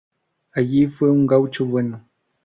Allí fue un gaucho bueno.